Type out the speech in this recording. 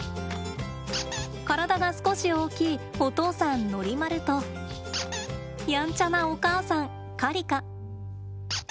体が少し大きいお父さんノリマルとやんちゃなお母さんカリカ。